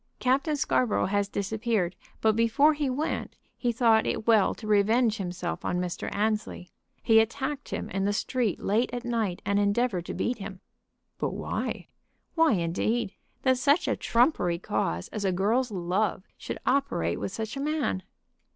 Captain Scarborough has disappeared, but before he went he thought it well to revenge himself on Mr. Annesley. He attacked him in the street late at night, and endeavored to beat him." "But why?" "Why indeed. That such a trumpery cause as a girl's love should operate with such a man!"